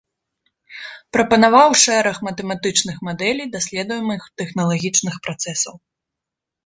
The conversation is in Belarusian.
Прапанаваў шэраг матэматычных мадэлей даследуемых тэхналагічных працэсаў.